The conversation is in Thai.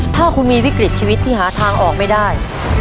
ถ้าคุณมีวิกฤตชีวิตที่หาทางออกไม่ได้